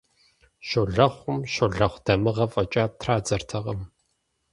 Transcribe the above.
Щолэхъум «щолэхъу дамыгъэ» фӀэкӀа традзэртэкъым.